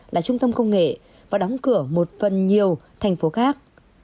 là trung tâm công nghệ và đóng cửa một phần nhiều thành phố khác